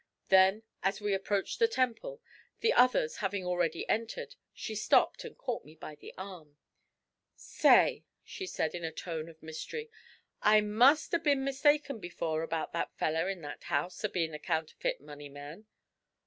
Then as we approached the Temple, the others having already entered, she stopped and caught me by the arm. 'Say,' said she, in a tone of mystery, 'I must 'a' been mistaken before about that feller in that house bein' the counterfeit money man.'